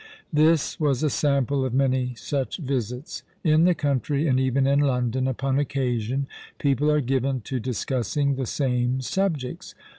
This was a sample of many such visits. In the country, and even in London upon occasion, people are given to dis cussing the same subjects.